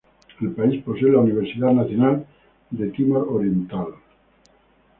El país posee la Universidad Nacional de Timor Oriental.